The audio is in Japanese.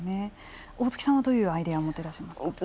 大槻さんはどういうアイデアを持っていらっしゃいますか。